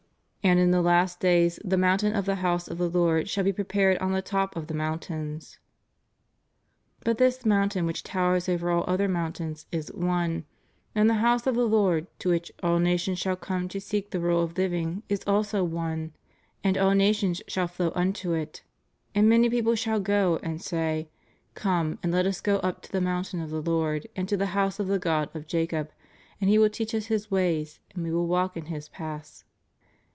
And in the last days the mountain of the hov^e of the Lord shall be prepared on the top of the mountains} But this mountain which towers over all other moun tains is one; and the house of the Lord to which all na tions shall come to seek the rule of living is also one. "And all nations shall flow unto it. And many peoples shall go, and say: Come, and let us go up to the mountain of the Lord, and to the house of the God of Jacob, and He will teach us His ways, and we will walk in His paths.